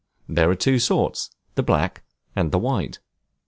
There are two sorts, the black and the white.